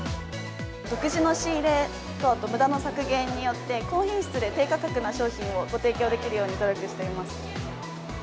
独自の仕入れとむだの削減によって、高品質で低価格な商品をご提供できるように努力しています。